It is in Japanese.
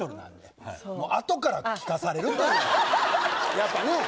やっぱねぇ！